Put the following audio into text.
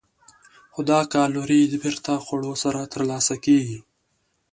خو دا کالوري بېرته خوړو سره ترلاسه کېږي.